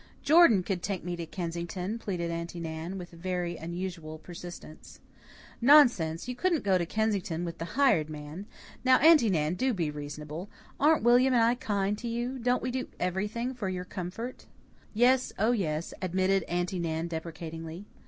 "Jordan could take me to Kensington," pleaded Aunty Nan, with very unusual persistence. "Nonsense! You couldn't go to Kensington with the hired man. Now, Aunty Nan, do be reasonable. Aren't William and I kind to you? Don't we do everything for your comfort?" "Yes, oh, yes," admitted Aunty Nan deprecatingly.